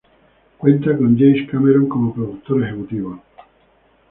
Cuenta con James Cameron como productor ejecutivo.